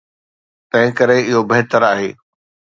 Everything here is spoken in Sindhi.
تنهنڪري اهو بهتر آهي.